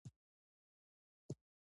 زما هډونه به در وړئ خپل وطن ته په پښتو ژبه.